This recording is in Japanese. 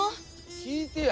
聞いてや。